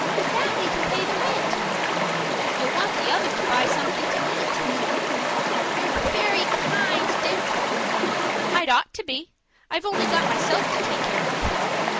With that we can pay the rent." "You'll want the other to buy something to eat." "You're very kind, Dick." "I'd ought to be. I've only got myself to take care of."